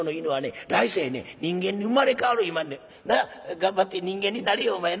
頑張って人間になれよお前な。